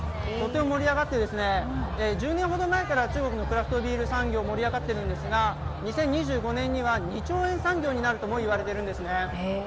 １０年ほど前から中国のクラフトビール産業、盛り上がっているんですが、２０２５年には２兆円産業になるとも言われているんですね。